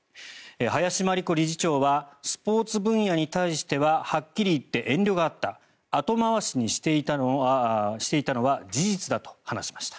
林真理子理事長はスポーツ分野に対してははっきり言って遠慮があった後回しにしていたのは事実だと話しました。